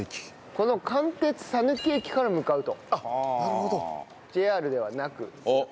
この関鉄佐貫駅から向かうとＪＲではなく。